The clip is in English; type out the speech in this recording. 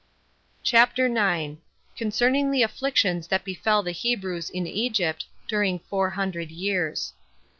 CHAPTER 9. Concerning The Afflictions That Befell The Hebrews In Egypt, During Four Hundred Years.